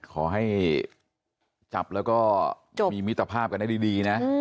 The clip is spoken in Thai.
ขอให้จับแล้วก็มีมิตรภาพกันได้ดีนะ